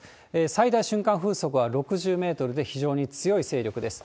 最大瞬間風速は６０メートルで非常に強い勢力です。